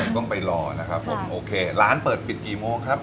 ก็ต้องไปรอนะครับร้านเปิดปิดกี่โมงครับ